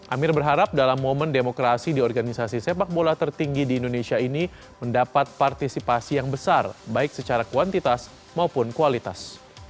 amir berharap dalam momen demokrasi di organisasi sepak bola tertinggi di indonesia ini mendapat partisipasi yang besar baik secara kuantitas maupun kualitas